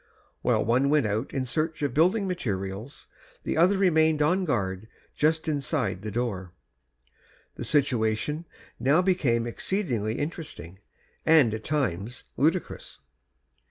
While one went out in search of building material the other remained on guard just inside the door. The situation now became exceedingly interesting, and at times ludicrous.